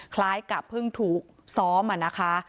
คล้ายกับเพิ่งถูกซ้อมอะนะคะ